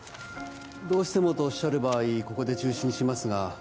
どうしてもとおっしゃる場合ここで中止にしますが